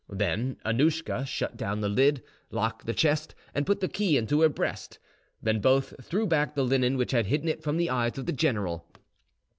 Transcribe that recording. Then Annouschka shut down the lid, locked the chest, and put the key into her breast. Then both threw back the linen which had hidden it from the eyes of the general.